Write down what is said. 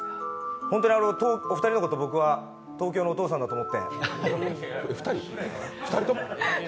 本当にお二人のこと、僕は東京のお父さんだと思って２人とも？